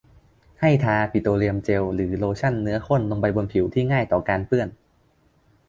ให้ทาปิโตรเลียมเจลหรือโลชั่นเนื้อข้นลงไปบนผิวที่ง่ายต่อการเปื้อน